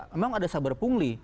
memang ada sabar pungli